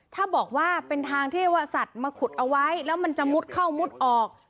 ถ้าบอกว่าเป็นทางที่ว่าสัตว์มาขุดเอาไว้แล้วมันจะมุดเข้ามุดออก